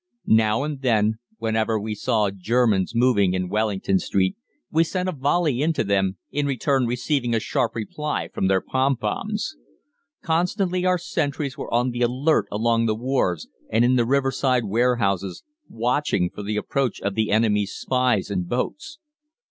Now and then, whenever we saw Germans moving in Wellington Street, we sent a volley into them, in return receiving a sharp reply from their pom poms. Constantly our sentries were on the alert along the wharves, and in the riverside warehouses, watching for the approach of the enemy's spies in boats.